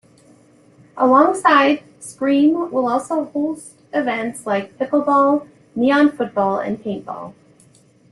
Alongside, Skream will also host events like Pickle-ball, neon football and Paintball.